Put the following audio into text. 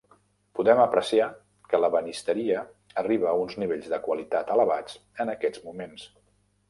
Podem apreciar que l'ebenisteria arriba a uns nivells de qualitat elevats en aquests moments.